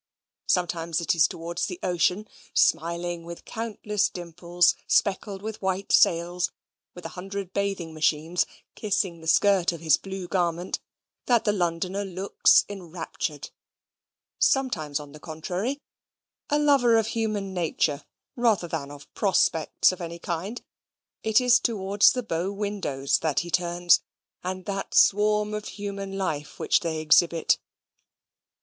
Sometimes it is towards the ocean smiling with countless dimples, speckled with white sails, with a hundred bathing machines kissing the skirt of his blue garment that the Londoner looks enraptured: sometimes, on the contrary, a lover of human nature rather than of prospects of any kind, it is towards the bow windows that he turns, and that swarm of human life which they exhibit.